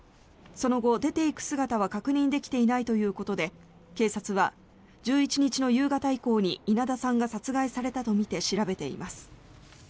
その後、出ていく姿は確認できていないということで警察は１１日の夕方以降に稲田さんが殺害されたとみて調べています。